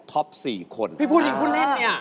เพราะว่ารายการหาคู่ของเราเป็นรายการแรกนะครับ